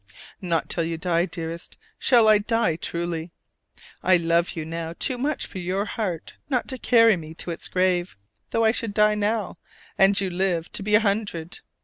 Not till you die, dearest, shall I die truly! I love you now too much for your heart not to carry me to its grave, though I should die now, and you live to be a hundred.